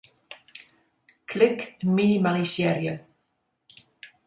Klik Minimalisearje.